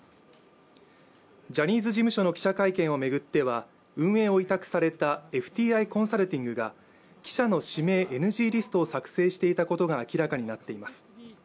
ジャニーズ事務所の記者会見を巡っては、運営を委託されたＦＴＩコンサルティングが記者の指名ＮＧリストを作成していたことが明らかになっています。